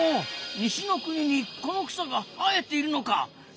西の国にこの草が生えているのか！